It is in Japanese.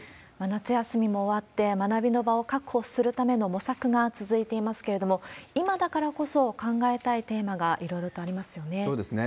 夏休みも終わって、学びの場を確保するための模索が続いていますけれども、今だからこそ考えたいテーマがいろいろとありますよね。